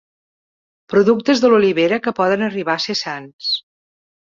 Productes de l'olivera que poden arribar a ser sants.